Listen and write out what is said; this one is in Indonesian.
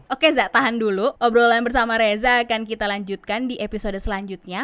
oke za tahan dulu obrolan bersama reza akan kita lanjutkan di episode selanjutnya